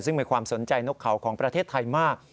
ซึ่งมีความสนใจนกเขาของประเทศไทยมาก